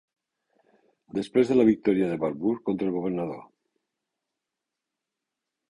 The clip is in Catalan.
Després de la victòria de Barbour contra el governador.